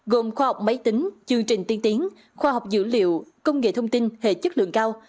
gồm khoa học máy tính chương trình tiên tiến khoa học dữ liệu công nghệ thông tin hệ chất lượng cao